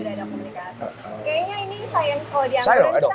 kayaknya ini sayang kalo diangkuran kita makan dulu deh